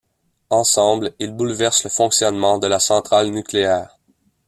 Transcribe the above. Ensemble, ils bouleversent le fonctionnement de la centrale nucléaire.